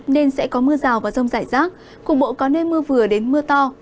nên sẽ có mưa rào và rông rải rác cục bộ có nơi mưa vừa đến mưa to